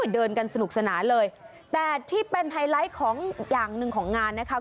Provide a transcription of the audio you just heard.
เดินกันสนุกสนานเลยแต่ที่เป็นไฮไลท์ของอย่างหนึ่งของงานนะคะ